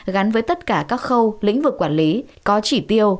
gắn với tất cả các khâu lĩnh vực quản lý có chỉ tiêu